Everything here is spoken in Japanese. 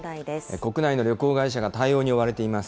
国内の旅行会社が対応に追われています。